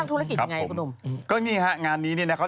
จากกระแสของละครกรุเปสันนิวาสนะฮะ